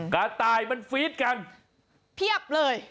กระต่ายมันฟีดกันเพียบเลย